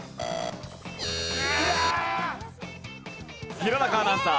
弘中アナウンサー。